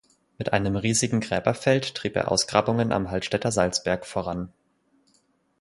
Mit einem riesigen Gräberfeld trieb er Ausgrabungen am Hallstätter Salzberg voran.